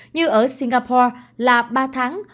như ở singapore là ba tháng